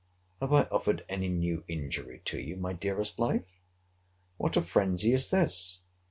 Have I offered any new injury to you, my dearest life? What a phrensy is this!